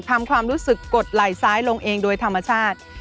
ความรู้สึกกดไหล่ซ้ายลงเองโดยธรรมชาติ